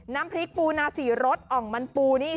น้ำพริกปูนาสี่รสอ่องมันปูนี่